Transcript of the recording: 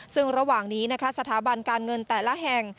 ซึ่งระหว่างนี้นะคะสถาบันการเงินแต่ละแห่ง